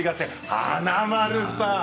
華丸さん。